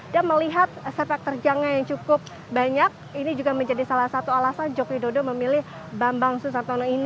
dan melihat sepak terjangnya yang cukup banyak ini juga menjadi salah satu alasan jokowi dodo memilih bambang sutantono